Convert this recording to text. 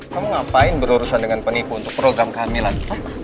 kamu ngapain berurusan dengan penipu untuk program kehamilan